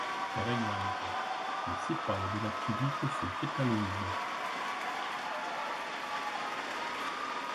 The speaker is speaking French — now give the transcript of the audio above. Par exemple, les sépales de la Tulipe sont pétaloïdes.